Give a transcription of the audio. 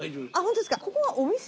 ここはお店？